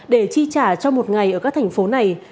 để chi trả cho một ngày ở các thành phố này